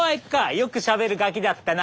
よくしゃべるガキだったな。